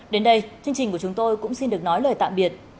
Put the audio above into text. đến đây chương trình của chúng tôi cũng xin được nói lời tạm biệt